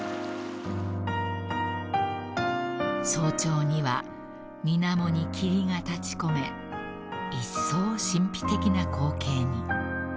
［早朝には水面に霧が立ち込めいっそう神秘的な光景に］